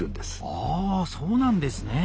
あそうなんですね。